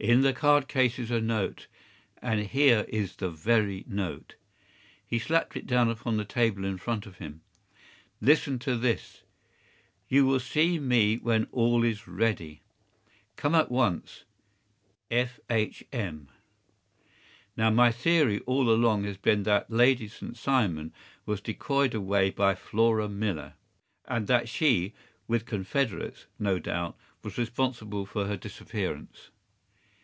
In the card case is a note. And here is the very note.” He slapped it down upon the table in front of him. “Listen to this: ‘You will see me when all is ready. Come at once. F. H. M.’ Now my theory all along has been that Lady St. Simon was decoyed away by Flora Millar, and that she, with confederates, no doubt, was responsible for her disappearance.